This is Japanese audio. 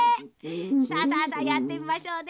さあさあさあやってみましょうね。